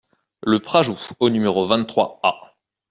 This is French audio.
Le Prajou au numéro vingt-trois A